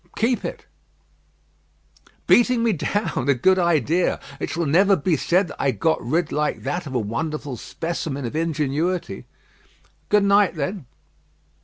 "Keep it." "Beating me down! a good idea! It shall never be said that I got rid like that of a wonderful specimen of ingenuity." "Good night, then."